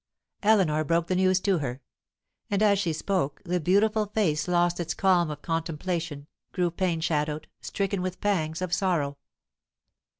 Eleanor broke the news to her. And as she spoke, the beautiful face lost its calm of contemplation, grew pain shadowed, stricken with pangs of sorrow.